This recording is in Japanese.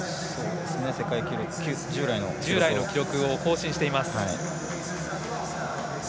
従来の記録を更新しています。